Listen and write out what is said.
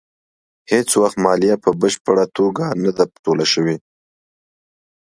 هېڅ وخت مالیه په بشپړه توګه نه ده ټوله شوې.